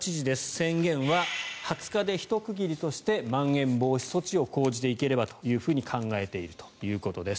宣言は２０日でひと区切りとしてまん延防止措置を講じていければと考えているということです。